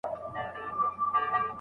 خپل استعدادونه وپېژنئ او وده ورکړئ.